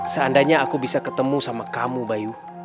seandainya aku bisa ketemu sama kamu bayu